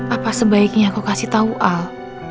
apa sebaiknya aku kasih tau al